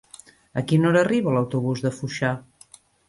A quina hora arriba l'autobús de Foixà?